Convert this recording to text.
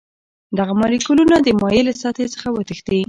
دغه مالیکولونه د مایع له سطحې څخه وتښتي.